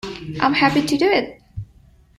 I'm happy to do it.